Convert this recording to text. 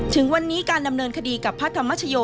ถึงวันนี้การดำเนินคดีกับพระธรรมชโย